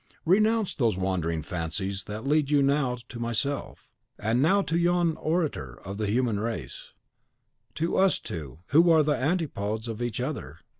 Renounce those wandering fancies that lead you now to myself, and now to yon orator of the human race; to us two, who are the antipodes of each other!